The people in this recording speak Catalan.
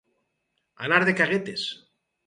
Anar de caguetes.